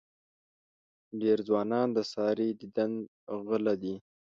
ډېر ځوانان د سارې د دیدن غله دي.